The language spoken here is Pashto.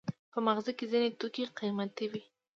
په مغازه کې ځینې توکي قیمته وي.